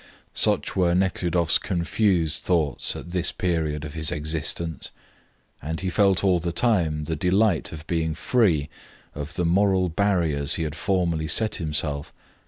Such were Nekhludoff's confused thoughts at this period of his existence, and he felt all the time the delight of being free of the moral barriers he had formerly set himself.